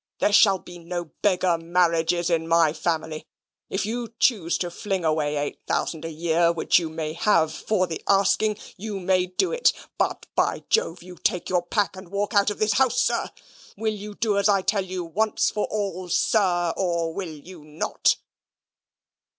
"There shall be no beggar marriages in my family. If you choose to fling away eight thousand a year, which you may have for the asking, you may do it: but by Jove you take your pack and walk out of this house, sir. Will you do as I tell you, once for all, sir, or will you not?"